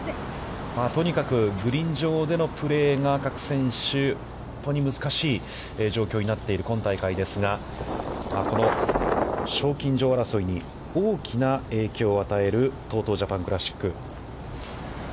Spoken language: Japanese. とにかくグリーン上でのプレーが、各選手、本当に難しい状況になっている今大会ですが、この賞金女王争いに大きな影響を与えるＴＯＴＯジャパンクラシック。